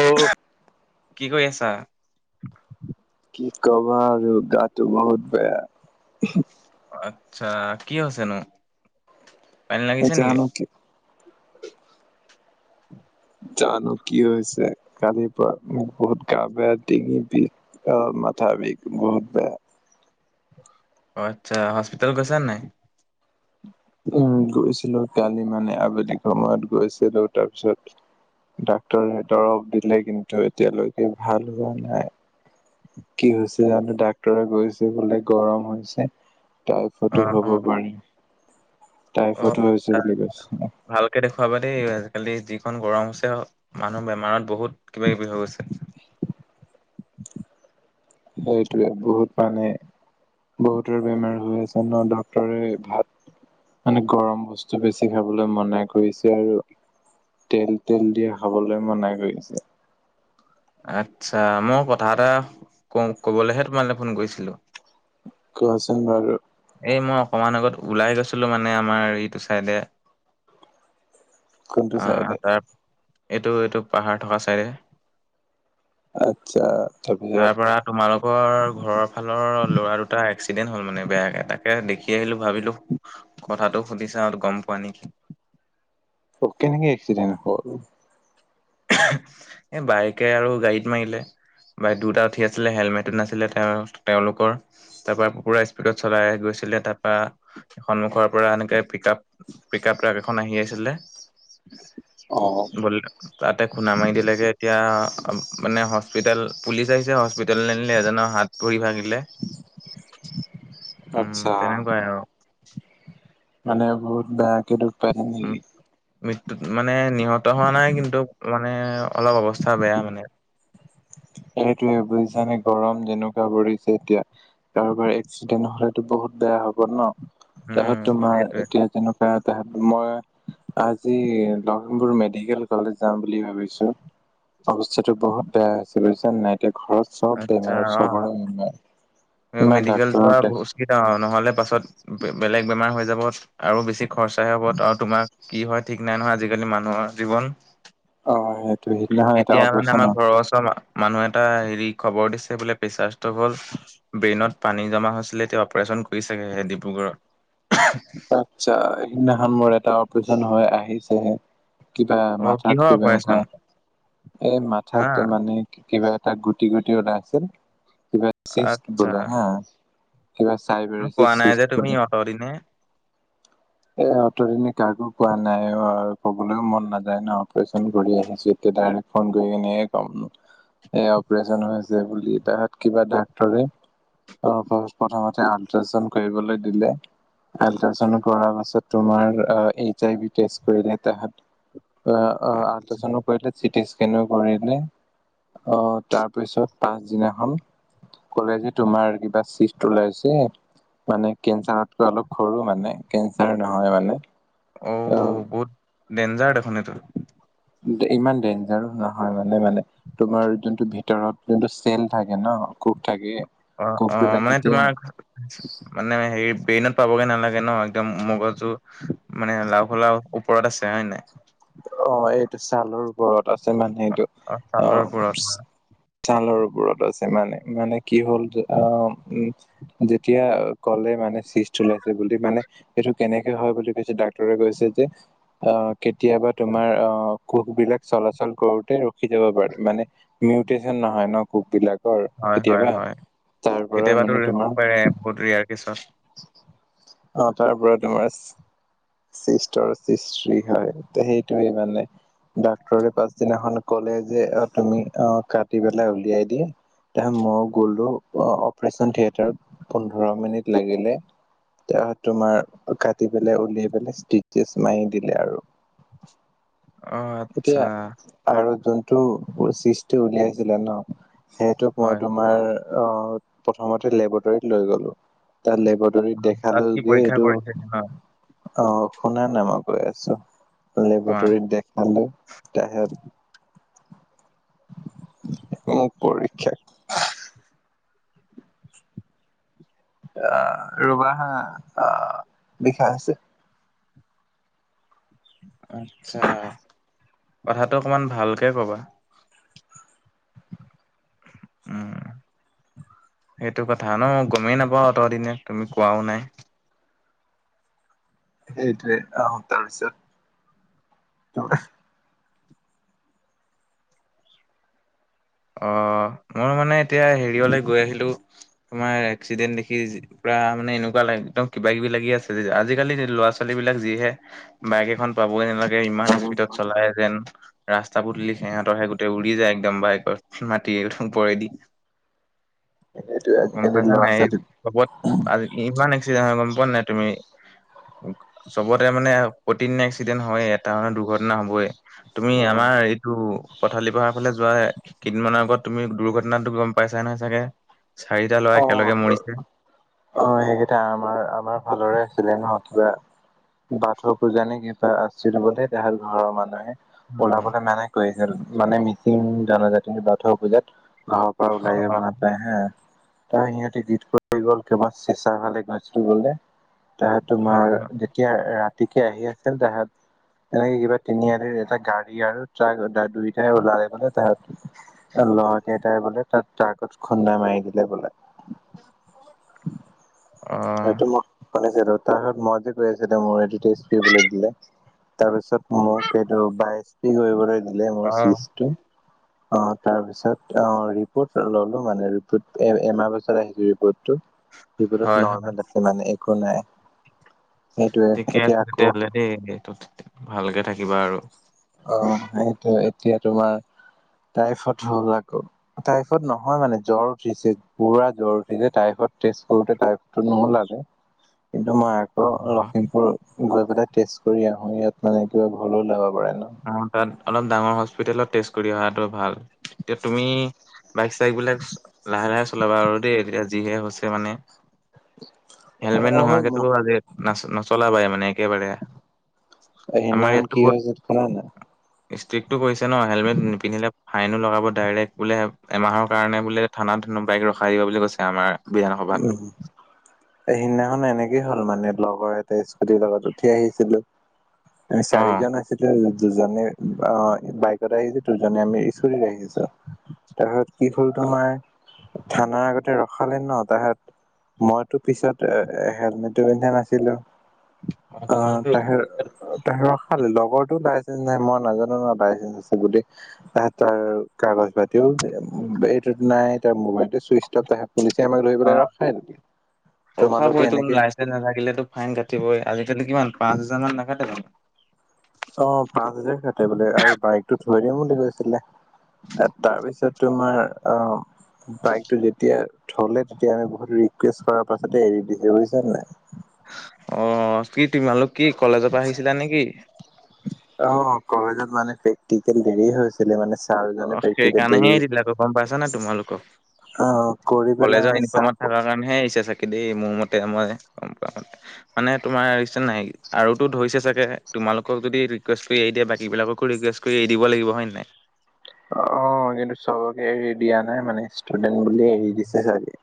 অ'। কি কৰি আছা? কি ক'বা আৰু গাটো বহুত বেয়া। আচ্ছা, কি হৈছেনো পানী লাগিছে নেকি? জানো কি জানো কি হৈছে কালিৰ পৰা বহুত গা বেয়া ডিঙি বিষ অ। মাথা বিষ বহুত বেয়া। [inaudible] অ আচ্ছা হস্পিতেল গৈছা নাই? উম গৈছিলো কালি মানে আবেলি সময়ত গৈছিলো তাৰপিছত ডাক্তৰে দৰৱ দিলে কিন্তু এতিয়ালৈকে ভাল হোৱা নাই। কি হৈছে জানো ডাক্তৰে কৈছে বোলে গৰম হৈছে। তাও অ ফটি অ হ'ব পাৰি। টাইফডো হৈছে বুলি কৈছে। খাবা দেই আজিকালি যিখন গৰম হৈছে, মানুহৰ বেমাৰত বহুত কিবা -কিবি হৈ গৈছে। [inaudible] হয় এইটোৱে বহুত। মানে বহুতৰ বেমাৰ হৈ আছে ন, ডাক্টৰে ভাত মানে গৰম বস্তু বেছি খাবলৈ মনে কৰিছে আৰু। তেল তেল দিয়ে খাবলৈ মনাই কৰিছে। আচ্ছা মই কথা এটা ক কবলৈহে তোমালৈ ফোন কৰিছিলো? কোৱাচোন বাৰু? এই মই অকণমান আগত ওলাই গৈছিলো মানে আমাৰ এইটো চাইডে কোনটো অ চাইডত? তাৰ এইটো এইটো পাহাৰ থকা চাইডে। আচ্ছা। তাৰপিছত ৰ ঘৰৰ ফালৰ ল'ৰা দুটা এক্সিডেণ্ট হল মানে বেয়াকে তাকে দেখি আহিলো ভাবিলো কথাটো সুধিছা গম পোৱা নিকি? কেনেকে এক্সিডেন্ট হ'ল? এই বাইকে আৰু গাড়ীত মাৰিলে। বা দুটা উঠি আছিলে হেলমেটটো নাছিলে, তেওঁ তেওঁলোকৰ তাৰপৰা পুৰা স্পীডত চলাই গৈছিল। ছিলে তাৰপৰা সন্মুখৰ পৰা এনেকে pick up pick up truck এখন আহি আছিলে অ' বলে তাতে খুন্দা মাৰি দিলেগে এতিয়া মানে হস্পিতেল পুলিচ আহিছে হস্পি ল আনিলে এজনৰ হাত পুৰি ভাঙিলে। উম আচ্ছা তেনেকুৱাই আৰু। মানে বহুত বেয়াকে দুষ পাই নেকি? উম মৃত্যুত মানে নিহত হোৱা নাই কিন্তু মানে অলপ অৱস্থা বেয়া মানে। সেইটোৱে বুজিছানে, গৰম যেনেকুৱা পৰিছে এতিয়া কাৰোবাৰ এক্সিডেন্ট হলেতো বহুত বেয়া হব ন উম তাৰপিছত তোমাৰ সেইটোৱে এতিয়া যেনেকুৱা তাহ মই আজি লখিমপুৰ মেডিকেল কলেজ যাম বুলি ভাবিছো। অৱস্থাটো বহুত বেয়া হৈছে বুজিছ নাই, এতিয়া ঘৰত চব আচ্ছা বেমাৰ অ চবৰে বেমাৰ। ইমান মেডিকেল ডাক্তৰক দেখ যোৱা নহলে পাছত বেলেগ বেমাৰ হৈ যাব। আৰু বেছি খৰচাহে হ'ব আৰু তোমাৰ কি হয় ঠিক নাই নহয় আজিকালি মানুহৰ জীৱন। অ সেইটো সিদিনাখন এটা এতিয়া মানে অপাৰেচন আমাৰ হল ঘৰৰ ওচৰ মানুহে এটা হেৰি খবৰ দিছে বোলে প্ৰেচাৰটো হল। ব্ৰেইনত পানী জমা হৈছিলে, তেওঁ অপাৰচন কৰিছোগেহে ডিব্ৰুগড়ত। আচ্ছা, সিদিনাখন মোৰ এটা অপাৰেচন হয় আহিছেহে। কিবা অ মাথাত কিহৰ কিবা এটা অপাৰেচন এই হা মাথাটো মানে কিবা তাক গুটি গুটি ওলাই আছিল কিবাষ্ট বোলে হা কিবা মই চাইবেৰিচিছ কোৱা নাই চিষ্ট যে তুমি বোলে আঁতৰি নে এ অতদিন কাকো পোৱা নাই অ' কবলৈও মন নাযায় ন। অপাৰেচন কৰি আহিছোঁ এতিয়া। ত ফোন কৰি কিনে কম। এ অপাৰেচন হৈছে বুলি তাহাত কিবা ডাক্টৰে। অ' প্ৰথমতে আল্ট্ৰাচণ্ড কৰিবলৈ দিলে। আল্ট্ৰাচণ্ড কৰা পাছত তোমাৰ এইচ আই ভিষ্টে কৰিলে তাহ অ আলটাচনো কৰিলে চিটিজ- নে কৰিলে আহ তাৰপিছত পাছদিনাখন ক'লে যে তোমাৰ কিবা চিফ্ ওলাইছে। মানে কেঞ্চাৰতকৈ অলপ সৰু মানে কেঞ্চাৰ নহয় মানে। অ বহুত ডেঞ্জাৰ্ দেখোন এইটো। ইমান ডেঞ্জাৰ নহয় মানে মানে তোমাৰ যোনটো ভিতৰত। যোনটো চেল থাকে ন কুব থাকে। অ অ কোষবিলাক মানে যেতিয়া তোমাৰ মানে হেৰি ব্ৰেইনত। পাবগে নালাগে ন একদম মগজু মানে লাও খোলা ওপৰত আছে হয় নাই। অ এইটো ছালৰ ওপৰত আছে মানে সেইটো অ। ছালৰ ওপৰত ছালৰ ওৰত আছে মানে মানে কি হ'ল অ উ যেতিয়া ক'লে মানে চিজ ওলাইছে বুলি মানে সেইটো কেনেকে হয় বুলি কৈছে ডাক্তৰে কৈছে যে আহ কেতিয়াবা তোমাৰ আহ কোষবিলাক চলাচল কৰোতে ৰখি যাব পাৰে মানে মিউটেশচন নহয় ন কুব বিলাক। হয় হয় কেতিয়াবা হয় তাৰ পৰা কেতিয়াবাতো মানে হ'ব তোমাৰ। পাৰে বহুত ৰেয়াৰ কেছত অ তাৰ পৰা তোমাৰ চিষ্টৰ সিষ্টি হয়। এতিয়া সেইটোৱে মানে। ডাক্তৰে পাছদিনাখন ক'লে যে তুমি আহ কাটি পেলাই উলিয়াই দিয়া। মই গ'লো অপাৰেচন থিয়েটাৰত পোন্ধৰ মিনিট লাগিলে। তোমাৰ কাটি পেলাই উলিয়াই পেলাই ষ্টিছ মাৰি দিলে আৰু। অ আচ্ছা এতিয়া আৰু। যোনটো সৃষ্টি উলিয়াইছিলে ন সেইটোক মই হয় তোমাৰ। অ' প্ৰথমতে লেবৰেটৰীত লৈ গলোঁ। তাৰ লেবৰেটৰীত হয়। তাত দেখালো কি যে পৰীক্ষা এইটো। কৰিছে ন অ' শুনা নাই মই কৈ আছোঁ। কোৱা লেবটৰীত দেখালো। [unintelligible] মোক পৰীক্ষা। আহ ৰুবা হা আহ লিখা আছে। আত্ছা কথাটো অকমান ভালকে কবা। উম। সেইটো কথা ন গমেই নাপাওঁ। অতদিনে তুমি কোৱাও নাই। সেইটোৱে আহ তাৰ পিছত। অ' মই মানে এতিয়া হেৰিয়লে গৈ আহিলোঁ। তোমাৰ এক্সিডেন্ট দেখি। ৰা মানে এনেকুৱা লাগ একদম কিবা কিবি লাগি আছে আজিকালি ল'ৰা ছোৱালী বিলাক যিহে বাইক এখন পাবগে নালাগে। ইমান স্পীডত চলাই যেন ৰাস্তা পদূলি সিহঁতৰ সে গোটেই উৰি যায়। একদম বাইকত মাতি ওপৰেদি এইটোৱে গম আজিকালি পাইছা ল'ৰা নাই। এই ছোৱালী চবত আজি ইমান এক্সিডেণ্ট হয় গম পোৱা নাই। তুমি চবতে মানে প্ৰতিদিনে এক্সিডেণ্ট হয় এটা মে দুৰ্ঘটনা হ'বই। তুমি উম আমাৰ এইটো পথালি পহাৰ ফালে যোৱা কেইদিনমানৰ আগত তুমি দুৰ্ঘটনাটো গম পাইছা নহয় চাগে। চাৰিটা ল'ৰা অ' একেলগে মৰিছে। অ' সেইকেইটা আমাৰ আমাৰ ফালৰে আছিলে নহয়। কিবা বাথৌ পূজা নে কিবা আছিল হ'ব দে তাহাঁত ঘৰৰ মানুহে। উম, ওলাবলৈ মানাই কৰিছিল মানে মিচিং জনাজাতি বাথৌ পূজাত। ঘৰৰ পৰা ওলাই যাব অ', নাপায় হা। তাৰ সিহঁতে গীত কৰি গ'ল কিবা চেঁচাৰ ফালে গৈছিল বোলে। তাহ হয়, তোমাৰ হয়, যেতিয়া ৰাতিকে আহি আছিল তাহাঁত এনেকে কিবা তিনিআলিৰ এটা গাড়ী আৰু ট্ৰাক দুইটাই ওলালে মানে তাত তাৰ লৰ কেইতাই বোলে তাত তাৰ্কত খুন্দা মাৰি দিলে বোলে [unintelligible] অ', সেইটো মই শুনিছিলো তাৰত মই যে কৈআছে তেওঁ দিতেছ দিবলে দিলে তাৰপিছত মোক এইটো বাইছ পি কৰিবলৈ দিলে। মোৰ অ', চিজটো অ' তাৰ পিছত অ' ৰিপৰ্ট ললো মানে। ৰিপৰ্ট এমাহ পাছত আহিছো ৰিপৰ্টটো ৰিপৰ্টত হয়, হয়। নৰ্মেল আছে মানে একো নাই। সেইটোয়ে ঠিকে আছে এতিয়া আকৌ তেতিয়াহ'লে দেই এইতোত ভালকে থাকিবা আৰু অ' সেইটো এতিয়া তোমাৰ টাইফড হ'ল। আকৌ টাইফড নহয় মানে জ্বৰ উঠিছে পুৰা জ্বৰ উঠিছে। টাইফড তেচ কৰোতে টাইফত নোহোলালে কিন্তু মই আকৌ অ', লখিমপুৰ গৈ পেলাই টেষ্ট কৰি আহো ইয়াত মানে কিবা ভুলো ওলাব পাৰে ন। আম তাত অলপ ডাঙৰ হস্পিতেলত টেষ্ট কৰি অহাটো ভাল এতিয়া তুমি বাইক চাইক বিলাক লাহে লাহে চলাবা আৰু দেই এতিয়া যিহে হৈছে মানে হেলমেট নোহোৱাকেতো অ আজি নাচ নচলাবাই মানে একেবাৰে সেইদিনাখন কি হৈ হৈছে শুনানা ষ্ট্ৰিকটো কৰিছে ন হেলমেট নিন্ধিলে। ফাইনো লগাব ডাইৰেক্ট বোলে এমাহৰ কাৰণে বোলে থানাত বাইক ৰখাই দিব বুলি কৈছে। আমাৰ বিধানসভাত উম এই সিদিনাখন এনেকে হল মানে লগৰ এটা স্কুটিৰ লগত উঠি আহিছিলো। আমি অ চাৰিজন আছিলো। দুজনে অ' বাইকত আহিছে দুজনে আমি স্কুটত আহিছো। তা কি হ'ল তোমাৰ থানা আগতে ৰখালে ন তাহত মইতো পিছত এ হেলমেটটো পিন্ধা নাছিলো। অ' তোমালোকে ৰখিব তহেৰ তহেৰৰ খাল লগতো বাচ নাই। মই নাজানো ন বাইচজন আছে। বুলি আহ তাৰ কাগজ পাতিও এইটো নাই তাৰ মোবাইলটো চুইচ অফ দেখাই পুলিচে আমাক ধৰি পেলাই ৰখাই থৈ দিয়ে ৰখাবয়ে টো লাইচেঞ্চ নাথাকিলেতটো ফাইন কাটিবই আজিকালি কিমান পাঁচ হাজাৰ মান নাকাতেজানো অ পাঁচ হাজাৰ কাটে বোলে আৰু বাইকটো থৈ দিও বুলি কৈছিলে তাত তাৰপিছত তোমাৰ অ বাইকটো যেতিয়া থলে তেতিয়া আমি বহুত ৰিকুৱেষ্ট কৰাৰ পাছতে এৰি দিছে বুজিছা নাই অ কি তোমালোকে কি কলেজৰ পৰা আহিছিলা নেকি অ কলেজত মানে প্ৰেক্টিকেল দেৰি হৈছিলে মানে ছাৰজনে অ প্ৰেক্টিকেল সেইকাৰণেহে দেৰি এৰি দিলে আকৌ গম পাইছানে তোমালোকক অ', কৰি পেলাই কলেজৰ মানে চাহ ইউনিফৰ্মত থকাৰ কাৰণেহে এৰিছে চাকে দেই মোৰ মেত মই মানে তোমাৰ ইচেএন নাই আৰুতো ধৰিছে চাগে তোমালোকক যদি ৰিকুৱেষ্ট কৰি দিয়ে বাকী বিলাককো ৰিকুৱেষ্ট কৰি এৰি দিব লাগিব হয় নে নাই অ কিন্তু চবকে এৰি দিয়া নাই মানে ষ্টুডেন্ট বুলিয়ে এৰি দিছে চাগে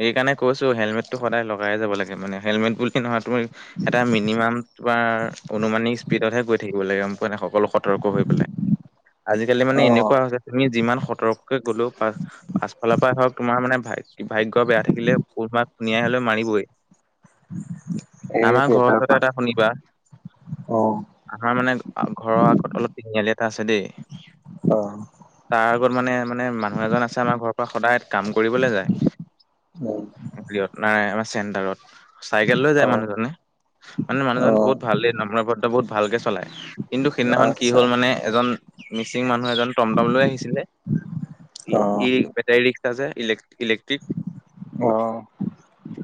সেইকাৰণে কৈছো হেলমেটটো সদাই লগাই যাব লাগে মানে হেলমেট বুলি কি নহয় তুমি এটা মিনিমাম তোমাৰ অনুমানিক স্পীডতহে গৈ থাকিব লাগে গম পোৱা নাই সকলো সতৰ্ক হৈ পেলাই আজিকালি মানে অ', এনেকুৱা হৈছে তুমি যিমান সতৰ্ক গ'লো পা পাছফালৰ পৰাই হওক তোমাৰ মানে ভাই ভাগ্য বেয়া থাকিলে কনোবাই খুনিয়াই হলেও মাৰিবই আমাৰ এইটোৱে ঘৰৰ তাৰ ওচৰতে পা এটা শুনিবা অ', আমাৰ মানে ঘৰৰ আগত অলপ তিনিআলি এটা আছে দেই অ তাৰ আগত মানে মানে মানুহ এজন আছে আমাৰ ঘৰৰ পৰা সদায় কাম কৰিবলৈ যায় উম, আমাৰ চেণ্টাৰত চাইকেল লৈ যায় অ', মানুহজনে মানে মানুহজন অ', বহুত ভাল দে নম্ৰ ভদ্ৰ বহুত ভালকে চলায়। কিন্তু সিদিনাখন কি আচ্ছা হ'ল মানে এজন মিচিং মানুহ মানুহ এজন টমটম লৈ আহিছিলে ই অ', বেটৰী ৰিক্সা যে ইলেক ইলেক্ট্ৰিক অ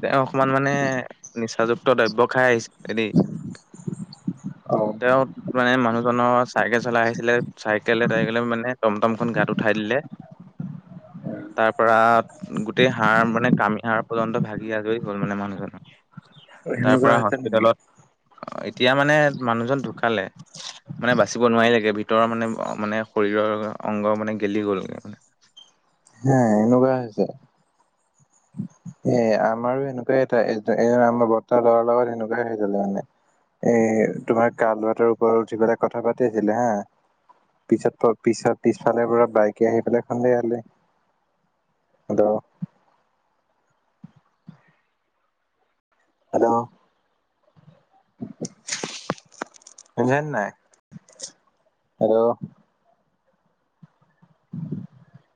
তেওঁ অকমান মানে নিচাযুক্ত দ্ৰব্য খাই আহিছিলে দেই অ', তেওঁ মানে মানুহজনৰ চাইকেল চলাই আহিছিলে চাইকেলে তাইকেল মানে টমটম খন গাত উঠাই দিলে তাৰ পৰা গো গোটেই হাৰ মানে কামি হড় পৰ্যন্ত ভাগি আজৰি হল মানে মানুহজন তাৰ সেনেকুৱা পৰা হৈছে নেকি? হস্পিতেলত এতিয়া মানে মানুহজন ঢুকালে মানে বাচিব নোৱাৰিল লেগে ভিতৰৰ মানে মানে শৰীৰৰ অংগ মানে গেলি গ'লগে মানে [inaudible] হে এনেকুৱা হৈছে এ আমাৰো সেনেকুৱাই এটা এ আমাৰ ব্বৰ্তাৰ লৰাৰ লগত সেনেকুৱাই হৈ হৈছিল মানে এ তোমাৰ কালভাৰটোৰ টোৰ ওপৰত উঠি পেলাই কথা পাতি আছিলে হা পিছত ত পিছত পিছফালে পৰা বাইকে আহি পেলাই খুন্দিয়ালে দ হেল্ল' [inaudible] শুনিছা নে নাই হেল্ল' [unintelligible]